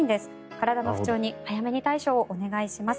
体の不調に早めの対処をお願いします。